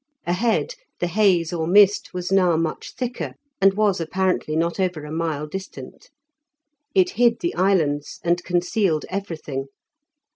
Ahead the haze, or mist, was now much thicker, and was apparently not over a mile distant. It hid the islands and concealed everything.